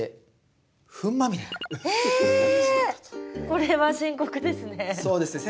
これは深刻ですね。